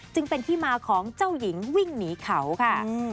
จึงเป็นที่มาของเจ้าหญิงวิ่งหนีเขาค่ะ